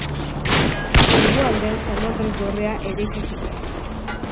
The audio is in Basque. Hegoaldean San Andres dorrea eraiki zuten.